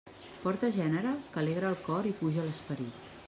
Porta gènere que alegra el cor i puja l'esperit.